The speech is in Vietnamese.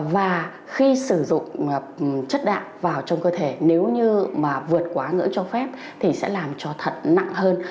và khi sử dụng chất đạm vào trong cơ thể nếu như mà vượt quá ngưỡng cho phép thì sẽ làm cho thật nặng hơn